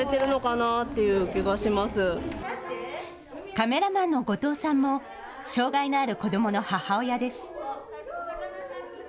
カメラマンの後藤さんも障害のある子どもの母親です。